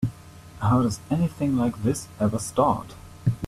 How does anything like this ever start?